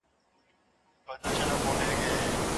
څېړنه د موضوع د تحلیل لپاره ترسره کیږي.